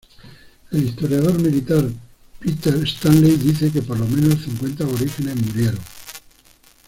El historiador militar Peter Stanley dice que por lo menos cincuenta aborígenes murieron.